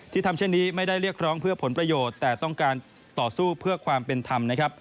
ทำเช่นนี้ไม่ได้เรียกร้องเพื่อผลประโยชน์แต่ต้องการต่อสู้เพื่อความเป็นธรรมนะครับ